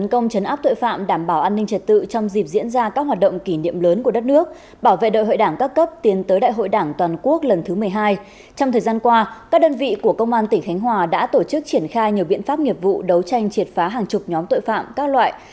các đơn vị của công an tỉnh khánh hòa đã tổ chức triển khai nhiều biện pháp nghiệp vụ đấu tranh triệt phá hàng chục nhóm tội phạm các loại